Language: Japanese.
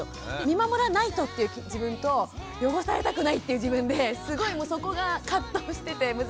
見守らないとっていう自分と汚されたくないっていう自分ですごいもうそこが葛藤してて難しいなと思ってます。